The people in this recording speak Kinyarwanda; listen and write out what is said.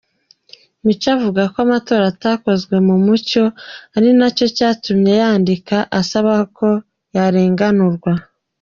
Mico avuga ko amatora atakozwe mu mucyo ari nacyo cyatumye yandika asaba ko yarenganurwa.